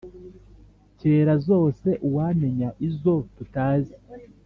cyera zose uwamenya izo tutazi